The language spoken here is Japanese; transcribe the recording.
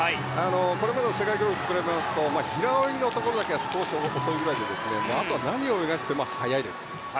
これまでの世界記録と比べますと平泳ぎのところだけ少し遅いくらいであとは何を泳がしても速いです。